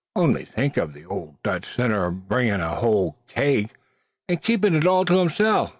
only think o' the owld Dutch sinner bringin' a whole kig wid 'im, an' keepin' it all to himself.